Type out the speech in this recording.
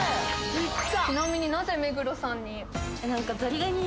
ちなみになぜ目黒さんに？